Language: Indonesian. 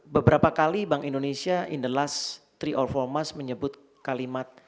beberapa kali bank indonesia in the last three or four months menyebut kalimat